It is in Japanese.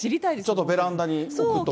ちょっとベランダに置くとか。